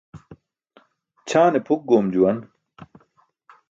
Ćʰaane pʰuk goom juwan.